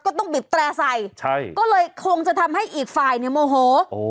ต้องบิดแตร่ใส่ใช่ก็เลยคงจะทำให้อีกฝ่ายเนี่ยโมโห